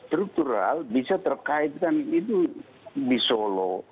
struktural bisa terkaitkan itu di solo